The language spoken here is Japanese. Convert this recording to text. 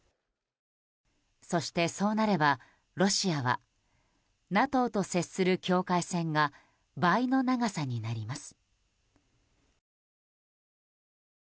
そして、そうなればロシアはＮＡＴＯと接する境界線が倍の長さになります。